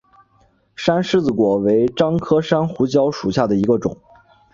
山柿子果为樟科山胡椒属下的一个种。